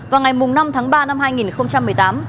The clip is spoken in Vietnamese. vào ngày năm tháng ba năm hai nghìn một mươi tám